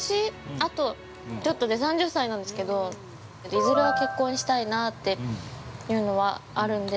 あとちょっとで３０歳なんですけれども、いずれは結婚したいなというのはあるんで。